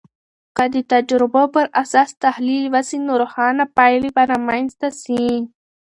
که د تجربو پراساس تحلیل وسي، نو روښانه پایلې به رامنځته سي.